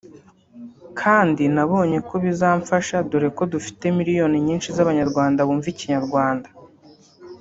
kandi nabonye ko bizamfasha dore ko dufite miliyoni nyinshi z’abanyarwanda bumva ikinyarwanda